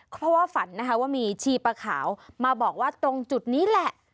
เพราะว่าฝันนะคะว่ามีชีปะขาวมาบอกว่าตรงจุดนี้แหละ